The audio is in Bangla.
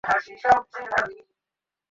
ঠাকুর আমাদের সর্বভাবের সাক্ষাৎ সমন্বয়মূর্তি।